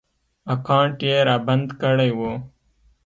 اکاونټ ېې رابند کړی و